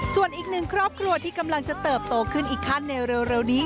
ส่วนอีกหนึ่งครอบครัวที่กำลังจะเติบโตขึ้นอีกขั้นในเร็วนี้